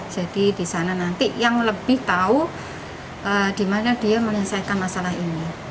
jadi di sana nanti yang lebih tahu dimana dia menyelesaikan masalah ini